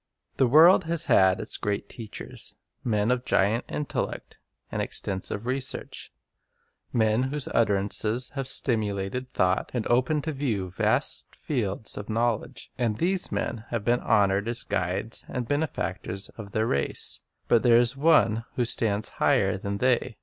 "" The world has had its great teachers, men of giant intellect and extensive research, men whose utterances have stimulated thought, and opened to view vast fields of knowledge; and these men have been honored as guides and benefactors of their race; but there is One who stands higher than they.